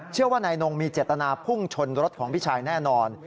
เชื่อว่านายนงมีเจตนาพุ่งชนรถของพี่ชายแน่นอน